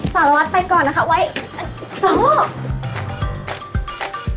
สารวัตรไปก่อนนะคะไว้